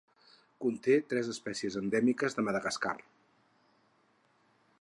Conté tres espècies endèmiques de Madagascar.